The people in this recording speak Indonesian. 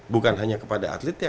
bukan hanya kepada atlet ya